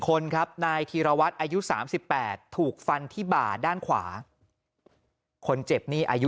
คนครับนายธีรวัตรอายุ๓๘ถูกฟันที่บ่าด้านขวาคนเจ็บนี่อายุ